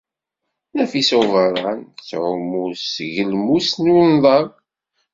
Nafisa n Ubeṛṛan tettɛumu s tgelmust n unḍab.